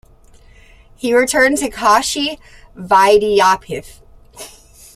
He returned to Kashi Vidyapith.